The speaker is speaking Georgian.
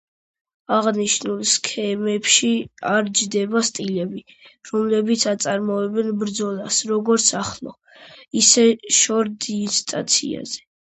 აღნიშნულ სქემებში არ ჯდება სტილები, რომლებიც აწარმოებენ ბრძოლას როგორც ახლო, ისე შორ დისტანციაზე.